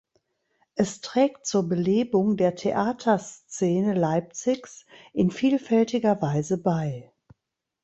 Es trägt zur Belebung der Theaterszene Leipzigs in vielfältiger Weise bei.